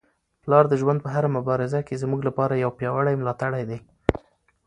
پلار د ژوند په هره مبارزه کي زموږ لپاره یو پیاوړی ملاتړی دی.